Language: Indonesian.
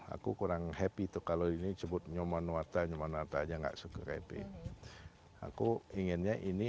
aku kurang happy tuh kalau ini cepet nyuruh nyuruh tanya nya tak suka losing aku ingin say ini